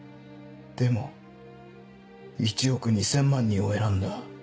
でも１億２０００万人を選んだ。